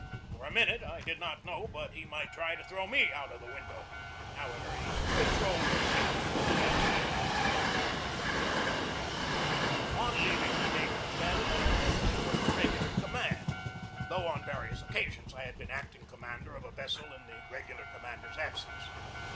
For a minute I did not know but he might try to throw me out of the window. However, he con trolled his temper and said nothing. i 4 4 GEORGE DEWEY Upon leaving the Naval Academy I had my first regular command, though on various occasions I had been acting commander of a vessel in the regular commander's absence.